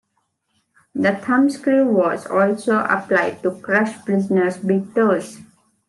The thumbscrew was also applied to crush prisoners' big toes.